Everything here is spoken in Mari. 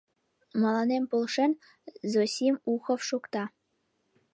Мыланем полшен, Зосим Ухов шокта.